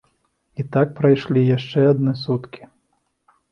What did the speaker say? І так прайшлі яшчэ адны суткі.